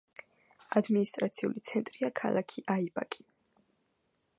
ადმინისტრაციული ცენტრია ქალაქი აიბაკი.